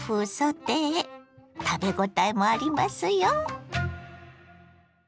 食べごたえもありますよ。